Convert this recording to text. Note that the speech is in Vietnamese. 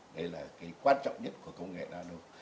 đấy là cái quan trọng nhất của công nghệ nano